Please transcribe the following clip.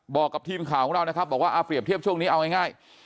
บอกกับทีมข่าวของเรานะครับบอกว่าเอาเปรียบเทียบช่วงนี้เอาง่าย